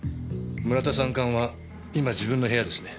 村田三冠は今自分の部屋ですね？